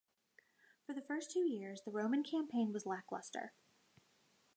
For the first two years, the Roman campaign was lacklustre.